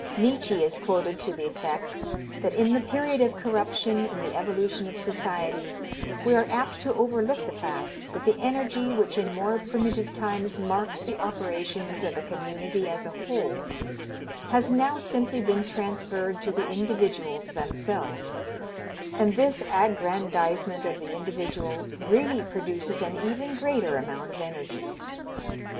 Nietzsche is quoted to the effect that "in the period of corruption in the evolution of societies we are apt to overlook the fact that the energy which in more primitive times marked the operations of a community as a whole has now simply been transferred to the individuals themselves, and this aggrandizement of the individual really produces an even greater amount of energy."